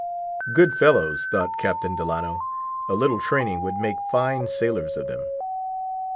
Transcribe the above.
Good fellows, thought Captain Delano, a little training would make fine sailors of them.